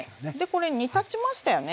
これ煮立ちましたよね。